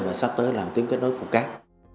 và sắp tới là tuyến kết nối phủ cát